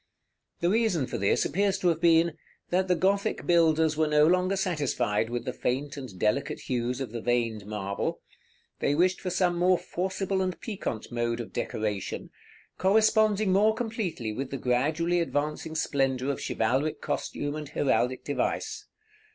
The reason for this appears to have been, that the Gothic builders were no longer satisfied with the faint and delicate hues of the veined marble; they wished for some more forcible and piquant mode of decoration, corresponding more completely with the gradually advancing splendor of chivalric costume and heraldic device.